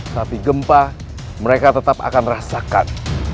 tapi gempa mereka tetap akan rasakan